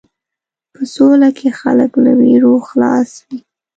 په سوله کې خلک له وېرو خلاص وي.